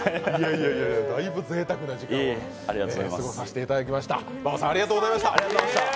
いやいや、だいぶぜいたくな時間を過ごさせていただきました。